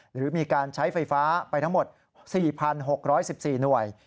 หรือมีการใช้ไฟฟ้าไปทั้งหมด๔๖๑๔หน่วย